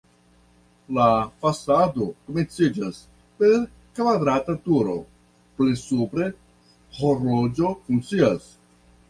La fasado komenciĝas per kvadrata turo, pli supre horloĝo funkcias.